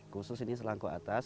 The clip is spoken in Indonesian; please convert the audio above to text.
khusus ini selangkau atas